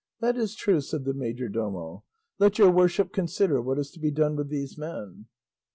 "That is true," said the majordomo; "let your worship consider what is to be done with these men."